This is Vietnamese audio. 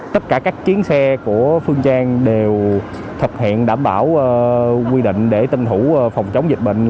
tất cả các chiến xe của phương trang đều thực hiện đảm bảo quy định để tân thủ phòng chống dịch bệnh